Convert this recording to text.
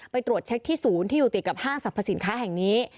ไปตรวจเช็คที่ศูนย์ที่อยู่ติดกับห้างสรรพสินค้าแห่งนี้